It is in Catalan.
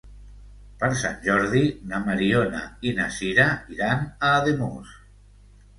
Per Sant Jordi na Mariona i na Sira iran a Ademús.